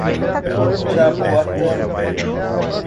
Japoatã